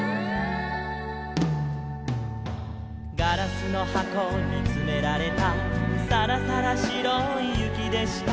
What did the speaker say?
「ガラスのはこにつめられた」「さらさらしろいゆきでした」